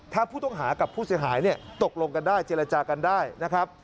ถ้าผู้ต้องหากับผู้เสียหายเนี่ยตกลงกันได้เจรจากันได้นะครับ